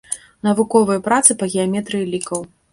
Навуковыя працы па геаметрыі лікаў.